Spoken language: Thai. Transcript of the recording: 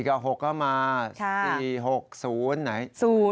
ก็๖ก็มา๔๖๐ไหน